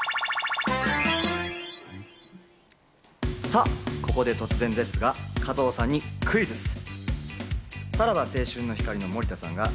さぁ、ここで突然ですが、加藤さんにクイズッス！